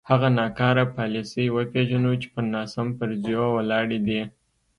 هغه ناکاره پالیسۍ وپېژنو چې پر ناسم فرضیو ولاړې دي.